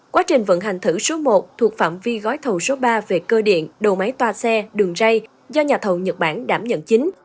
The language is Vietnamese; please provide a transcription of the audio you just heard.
quá trình vận hành thử số một thuộc phạm vi gói thầu số ba về cơ điện đầu máy toa xe đường dây do nhà thầu nhật bản đảm nhận chính